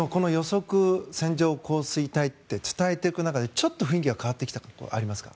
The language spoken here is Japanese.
線状降水帯の予測と伝えていく中で、ちょっと雰囲気変わったところありますか？